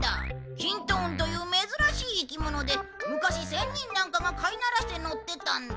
きんと雲という珍しい生き物で昔仙人なんかが飼い慣らしてのってたんだ。